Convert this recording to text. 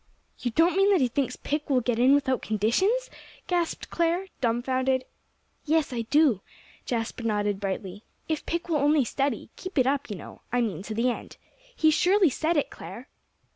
"You don't mean that he thinks Pick will get in without conditions?" gasped Clare, dumfounded. "Yes, I do." Jasper nodded brightly. "If Pick will only study; keep it up, you know, I mean to the end. He surely said it, Clare."